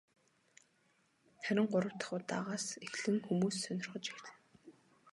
Харин гурав дахь удаагаас эхлэн хүмүүс сонирхож эхэлнэ.